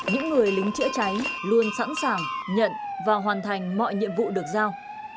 những người lính chữa cháy luôn sẵn sàng nhận và hoàn thành mọi nhiệm vụ được giao